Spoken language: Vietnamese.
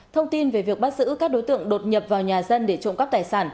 thông tin về việc bắt giữ các đối tượng đột nhập vào nhà dân để trộm cắp tài sản